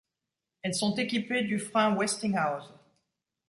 Elles sont équipées du frein Westinghouse.